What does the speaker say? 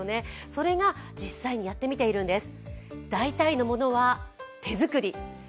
それが実際にやってみているんです。